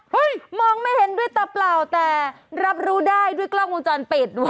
มองไม่เห็นด้วยตาเปล่าแต่รับรู้ได้ด้วยกล้องวงจรปิดด้วย